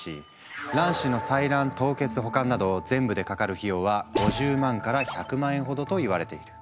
卵子の採卵凍結保管など全部でかかる費用は５０万から１００万円ほどといわれている。